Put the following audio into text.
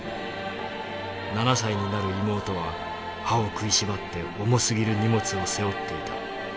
７歳になる妹は歯を食いしばって重すぎる荷物を背負っていた。